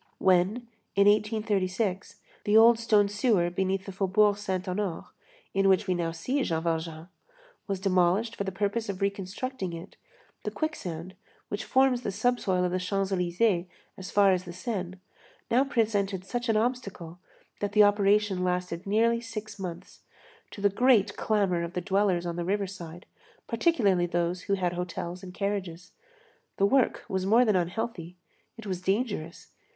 When, in 1836, the old stone sewer beneath the Faubourg Saint Honoré, in which we now see Jean Valjean, was demolished for the purpose of reconstructing it, the quicksand, which forms the subsoil of the Champs Élysées as far as the Seine, presented such an obstacle, that the operation lasted nearly six months, to the great clamor of the dwellers on the riverside, particularly those who had hotels and carriages. The work was more than unhealthy; it was dangerous.